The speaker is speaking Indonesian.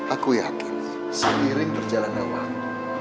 aku yakin seiring perjalanan wang